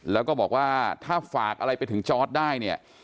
แล้วก็บอกว่าถ้าฝากอะไรไปถึงจอร์ดได้เนี่ย